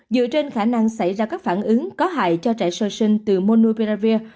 dựa trên khả năng xảy ra các phản ứng có hại cho trẻ sơ sinh từ monouperavir